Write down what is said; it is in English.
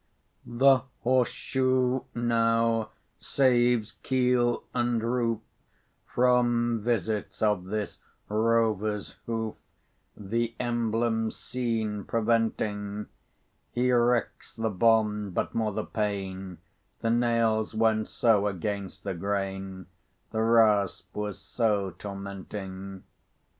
The horse shoe now saves keel, and roof, From visits of this rover's hoof, The emblem seen preventing. He recks the bond, but more the pain, The nails went so against the grain, The rasp was so tormenting.